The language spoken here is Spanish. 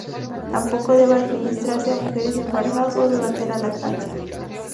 Tampoco debe administrarse a mujeres embarazadas o durante la lactancia.